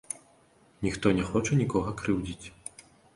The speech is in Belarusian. Ніхто не хоча нікога крыўдзіць.